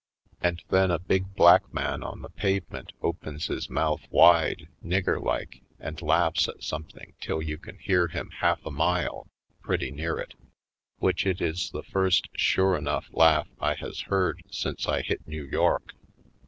And then a big black man on the pave ment opens his mouth wide, nigger like, and laughs at something till you can hear him half a mile, pretty near it; which it is the first sure enough laugh I has heard since I hit New York.